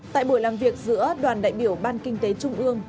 tại buổi làm việc giữa đoàn đại biểu ban kinh tế trung ương